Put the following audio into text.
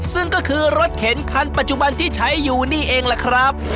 ซึ่งก็คือรถเข็นคันปัจจุบันที่ใช้อยู่นี่เองล่ะครับ